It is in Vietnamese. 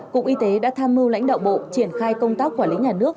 cục y tế đã tham mưu lãnh đạo bộ triển khai công tác quản lý nhà nước